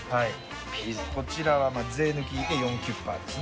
こちらは税抜きで４９８です